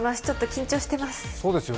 ちょっと緊張しています。